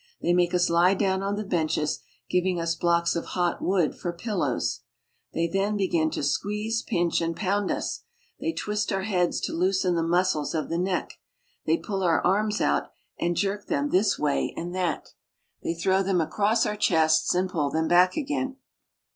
They make us lie I on the benches, giving us blocks of hot wood for They then begin to squeeze, pinch, and pound They twist our heads to loosen the muscles of the They pull our arms out and jerk them this way 80 AFRICA and that. They throw them across our chests and pull them back again.